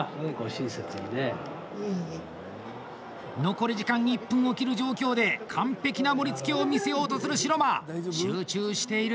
残り時間１分を切る状況で完璧な盛りつけを見せようとする城間、集中している。